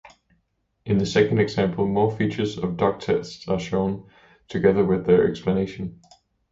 In the second example, more features of doctest are shown, together with their explanation.